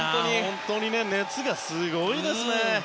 本当に熱がすごいですね。